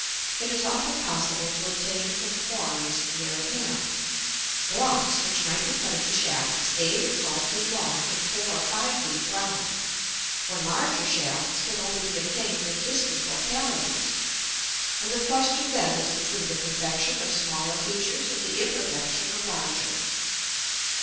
It is often possible to obtain from quarries near at hand, blocks which might be cut into shafts eight or twelve feet long and four or five feet round, when larger shafts can only be obtained in distant localities; and the question then is between the perfection of smaller features and the imperfection of larger.